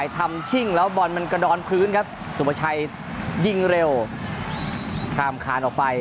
ทำชิ่งแล้วบอลมันกระดอนพื้นครับสุภาชัยยิงเร็วข้ามคานออกไป